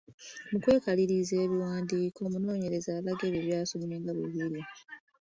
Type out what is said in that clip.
Mu kwekaliriza ebiwandiiko, omunoonyereza alaga ebyo by’asomye nga bwe biri.